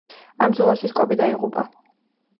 ამ ბრძოლაში სპოკი დაიღუპა.